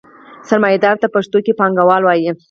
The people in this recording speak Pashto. سرمایدار ته پښتو کې پانګوال وايي.